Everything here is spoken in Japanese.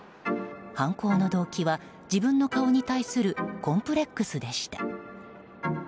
犯行の動機は自分の顔に対するコンプレックスでした。